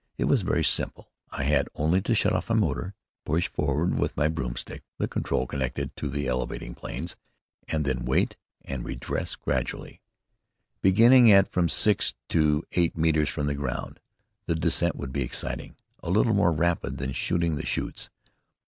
It was very simple. I had only to shut off my motor, push forward with my "broom stick," the control connected with the elevating planes, and then wait and redress gradually, beginning at from six to eight metres from the ground. The descent would be exciting, a little more rapid than Shooting the Chutes.